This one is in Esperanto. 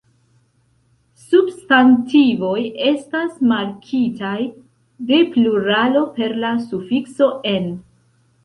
Substantivoj estas markitaj de pluralo per la sufikso "-en".